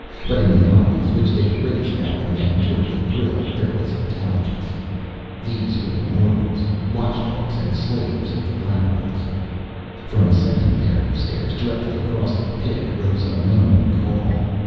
But in the eyes, which they raised now and then toward the grill, there was intelligence. These were the morgels, watchdogs and slaves of the Black Ones. From a second pair of stairs directly across the pit arose a moaning call.